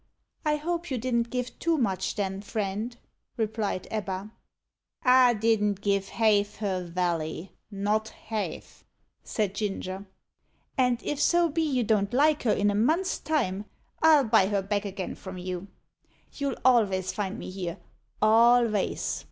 "I hope you didn't give too much, then, friend," replied Ebba. "I didn't give hayf her wally not hayf," said Ginger; "and if so be you don't like her in a month's time, I'll buy her back again from you. You'll alvays find me here alvays.